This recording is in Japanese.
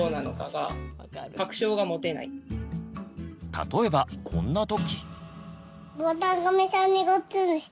例えばこんな時。